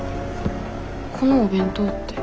このお弁当って？